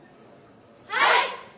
はい！